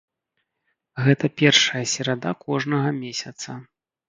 Гэта першая серада кожнага месяца.